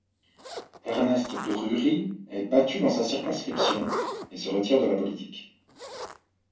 Ernest Drury est battu dans sa circonscription et se retire de la politique.